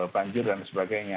banjir dan sebagainya